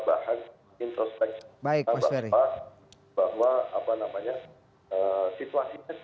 bahwa situasinya seperti itu